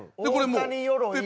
大谷よろい。